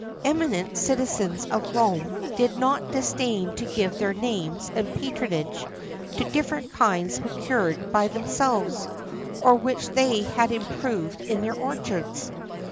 Eminent citizens of Rome did not disdain to give their names and patronage to different kinds procured by themselves, or which they had improved in their orchards.